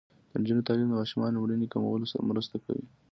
د نجونو تعلیم د ماشومانو مړینې کمولو مرسته ده.